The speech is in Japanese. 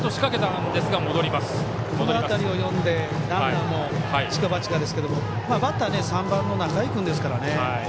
この辺りを読んでランナーも一か八かですがランナーも３番の仲井君ですからね。